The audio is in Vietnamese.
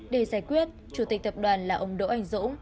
để giải quyết chủ tịch tập đoàn là ông đỗ anh dũng